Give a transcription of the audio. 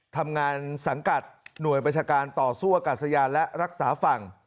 ทำงานสังกัดหน่วยบัญชาการต่อสู้อากาศยานและรักษาฝั่ง